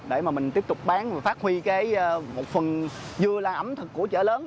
để mà mình tiếp tục bán và phát huy cái một phần vừa là ẩm thực của chợ lớn